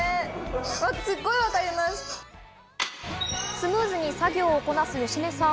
スムーズに作業をこなす芳根さん。